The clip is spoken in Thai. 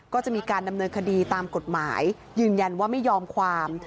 ก็จะมีการดำเนินคดีตามกฎหมายยืนยันว่าไม่ยอมความ